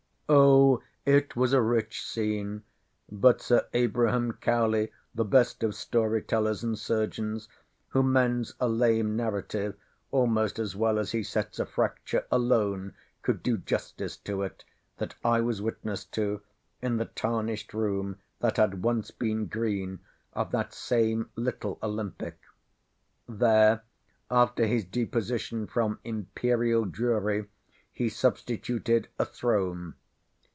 O, it was a rich scene,—but Sir A—— C——, the best of story tellers and surgeons, who mends a lame narrative almost as well as he sets a fracture, alone could do justice to it—that I was witness to, in the tarnished room (that had once been green) of that same little Olympic. There, after his deposition from Imperial Drury, he substituted a throne.